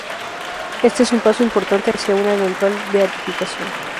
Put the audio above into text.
Este es un paso importante hacia una eventual beatificación.